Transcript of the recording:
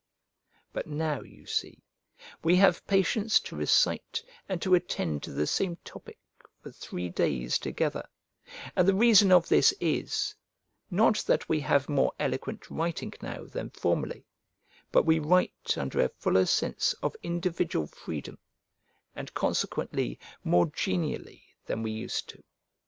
But now, you see, we have patience to recite and to attend to the same topic for three days together; and the reason of this is, not that we have more eloquent writing now than formerly, but we write under a fuller sense of individual freedom, and consequently more genially than we used to.